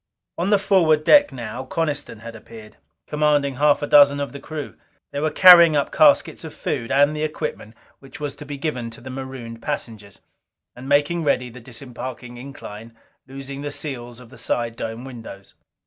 On the forward deck now Coniston had appeared, commanding half a dozen of the crew. They were carrying up caskets of food and the equipment which was to be given the marooned passengers. And making ready the disembarking incline, loosening the seals of the side dome windows.